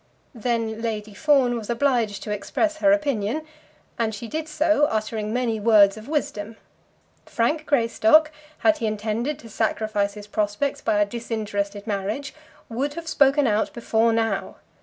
Then Lady Fawn was obliged to express her opinion, and she did so, uttering many words of wisdom. Frank Greystock, had he intended to sacrifice his prospects by a disinterested marriage, would have spoken out before now.